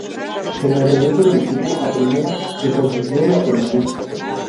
En el regreso del equipo a Primera se consiguió la permanencia.